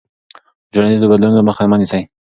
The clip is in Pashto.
د ټولنیزو بدلونونو مخه مه نیسه.